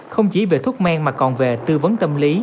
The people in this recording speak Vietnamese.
không chỉ về thuốc men mà còn về tư vấn tâm lý